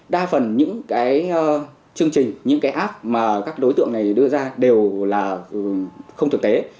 đa phần những chương trình những app mà các đối tượng này đưa ra đều là không thực tế